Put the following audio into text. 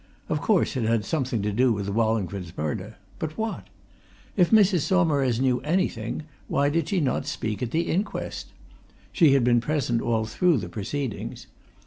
Of course, it had something to do with Wallingford's murder, but what? If Mrs. Saumarez knew anything, why did she not speak at the inquest? She had been present all through the proceedings.